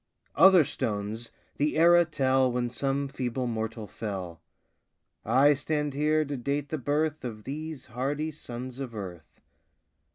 Other stones the era tell When some feeble mortal fell; I stand here to date the birth Of these hardy sons of earth.